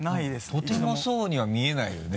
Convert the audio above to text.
とてもそうには見えないよね。